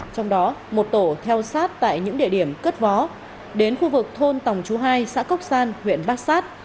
trong đó một tổ theo sát tại những địa điểm cất vó đến khu vực thôn tòng chú hai xã cốc san huyện bát sát